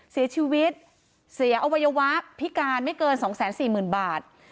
เสียชีวิตเสียอวัยวะพิการไม่เกิน๒๔๐๐๐บาท